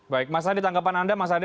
baik mas hadi tanggapan anda mas hadi